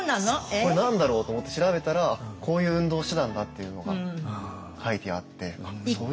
これ何だろうと思って調べたらこういう運動してたんだっていうのが書いてあって。